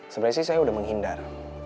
sebenarnya sih saya sudah menghindar